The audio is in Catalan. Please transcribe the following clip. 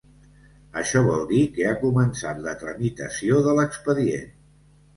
Això vol dir que ha començat la tramitació de l'expedient.